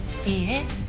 いいえ。